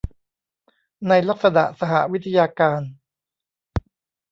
ในลักษณะสหวิทยาการ